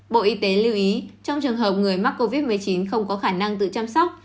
bộ y tế lưu ý trong trường hợp người mắc covid một mươi chín không có khả năng tự chăm sóc